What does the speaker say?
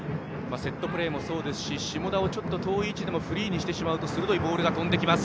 セットプレーもそうですし下田を遠い位置でもフリーにしてしまうと鋭いボールが飛んできます。